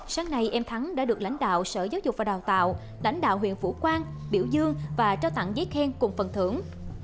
sáng nay em thắng đã được lãnh đạo sở giáo dục và đào tạo lãnh đạo huyện phủ quan biểu dương và trao tặng giấy khen cùng phần thưởng